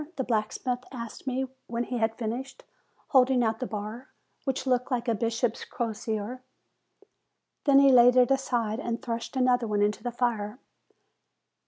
the blacksmith asked me, when he had finished, holding out the bar, which looked like a bishop's crosier, 144 FEBRUARY Then he laid it aside, and thrust another into the fire.